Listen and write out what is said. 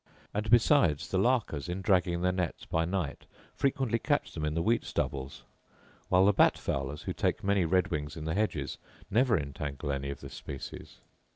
And besides, the larkers, in dragging their nets by night, frequently catch them in the wheat stubbles; while the bat fowlers, who take many red wings in the hedges, never entangle any of this species.